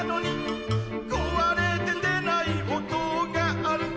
「こわれて出ない音がある」